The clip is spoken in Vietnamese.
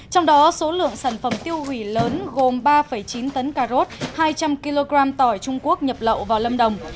trong đó số lượng sản phẩm tiêu hủy lớn gồm ba chín tấn cà rốt hai trăm linh kg tỏi trung quốc nhập lậu vào lâm đồng